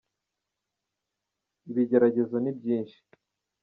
Ibigeragezo ni byinshi